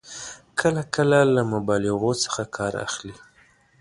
کله کله له مبالغو څخه کار اخلي.